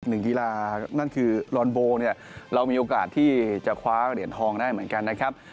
กีฬานั่นคือลอนโบเนี่ยเรามีโอกาสที่จะคว้าเหรียญทองได้เหมือนกันนะครับ